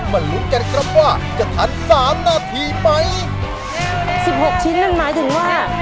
ลุ้นกันครับว่าจะทันสามนาทีไหมสิบหกชิ้นนั่นหมายถึงว่า